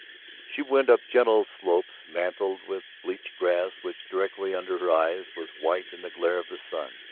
She went up gentle slopes mantled with bleached grass which directly under her eyes was white in the glare of the sun.